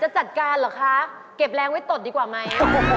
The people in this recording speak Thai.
จัดการเหรอคะเก็บแรงไว้ตดดีกว่าไหม